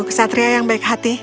ksatria yang baik hati